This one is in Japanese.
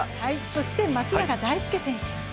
そして松永大介選手。